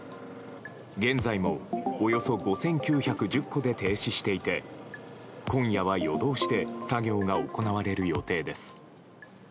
現在もおよそ５９１０戸で停止していて今夜は夜通しで作業が行われる予定です。